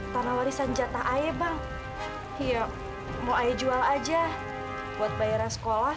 karena ayah menikah